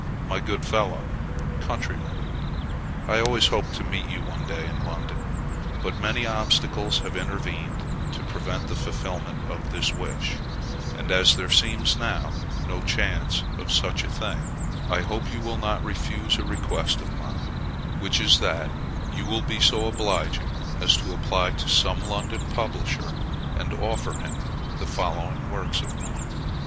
MY GOOD FELLOW COUNTRYMAN, I always hoped to meet you one day in London, but many obstacles have intervened to prevent the fulfilment of this wish, and as there seems now no chance of such a thing, I hope you will not refuse a request of mine, which is that you will be so obliging as to apply to some London publisher, and offer him the following works of mine.